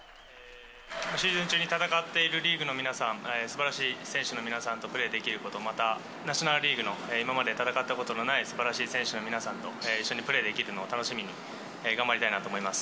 シーズン中に戦っているリーグの皆さん、すばらしい選手の皆さんとプレーできること、またナショナルリーグの今まで戦ったことがないすばらしい選手の皆さんと一緒にプレーできるのを楽しみに頑張りたいなと思います。